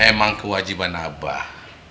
emang kewajiban abah